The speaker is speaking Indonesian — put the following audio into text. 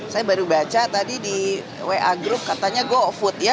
saya baru baca tadi di wa group katanya gue food ya